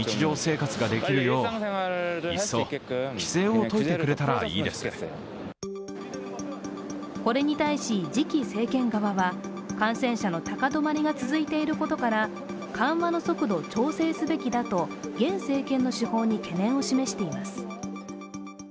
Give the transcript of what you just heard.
ソウル市民はこれに対し次期政権側は感染者の高止まりが続いていることから緩和の速度を調整すべきだと現政権の手法に懸念を示しています。